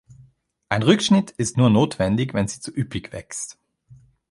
Ein Rückschnitt ist nur notwendig, wenn sie zu üppig wächst.